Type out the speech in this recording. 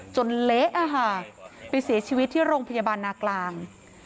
เละไปเสียชีวิตที่โรงพยาบาลนากลาง